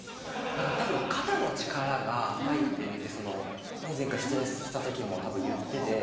多分肩の力が入ってるって前回出演した時も多分言ってて。